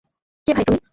কে ভাই তুমি?